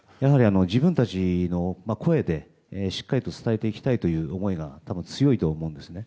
自分たちの声でしっかりと伝えていきたいという思いが強いと思うんですね。